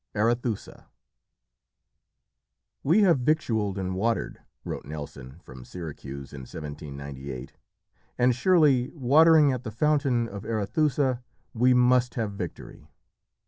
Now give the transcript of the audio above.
ARETHUSA "We have victualled and watered," wrote Nelson from Syracuse in 1798, "and surely, watering at the fountain of Arethusa, we must have victory.